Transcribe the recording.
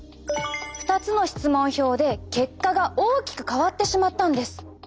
２つの質問票で結果が大きく変わってしまったんです！